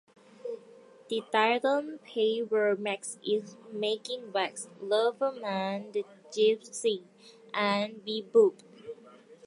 The titles played were "Max is Making Wax", "Lover Man", "The Gypsy", and "Be-bop".